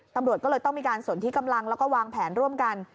ตำรวจก็เลยต้องมีการสนที่กำลังแล้วก็วางแผนร่วมกัน